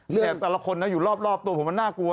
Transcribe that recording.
แต่ละคนนะอยู่รอบตัวผมมันน่ากลัว